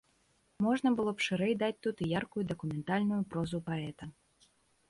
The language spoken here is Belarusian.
Можна б было шырэй даць тут і яркую дакументальную прозу паэта.